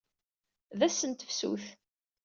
D ass n tefsut.